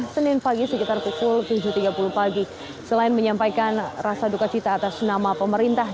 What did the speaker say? senin pagi sekitar pukul tujuh tiga puluh pagi selain menyampaikan rasa duka cita atas nama pemerintah